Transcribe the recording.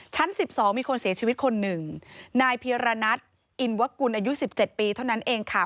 ชั้น๑๒มีคนเสียชีวิตคนหนึ่งนายเพียรณัทอินวกุลอายุ๑๗ปีเท่านั้นเองค่ะ